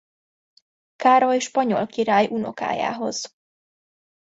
Károly spanyol király unokájához.